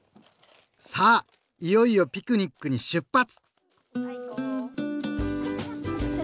さあいよいよピクニックに出発！